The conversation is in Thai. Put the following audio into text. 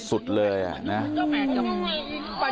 คือเมาสุด